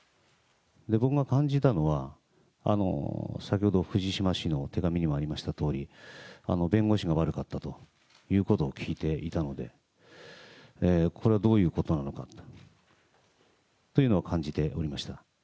僕が感じたのは、先ほど藤島氏の手紙にもありましたとおり、弁護士が悪かったということを聞いていたので、これはどういうことなのかというのは感じておりました。